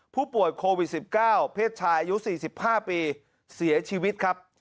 ผู้ป่วยโควิด๑๙เพศชายอายุ๔๕ปีเสียชีวิตครับ